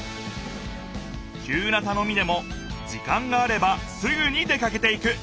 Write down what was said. きゅうなたのみでも時間があればすぐに出かけていく。